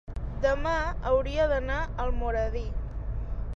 Demà hauria d'anar a Almoradí.